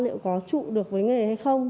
liệu có trụ được với nghề hay không